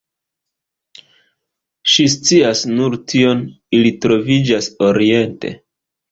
Ŝi scias nur tion: ili troviĝas oriente.